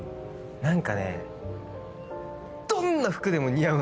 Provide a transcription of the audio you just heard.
何かね。